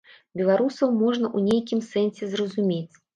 Беларусаў можна ў нейкім сэнсе зразумець.